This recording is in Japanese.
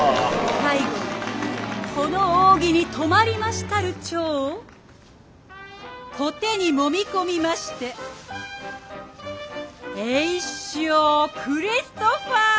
最後にこの扇に止まりましたる蝶を小手にもみ込みましてエイショウクリストファー！